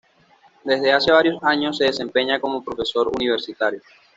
Desde hace varios años se desempeña como profesor universitario.